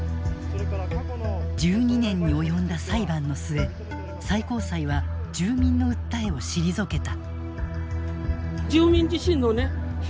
１２年に及んだ裁判の末最高裁は住民の訴えを退けた。